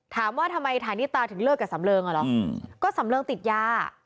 ถามว่าทำไมฐานิตาถึงเลิกกับสำเริงอ่ะเหรอก็สำเริงติดยา